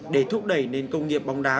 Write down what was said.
để thúc đẩy nền công nghiệp bóng đá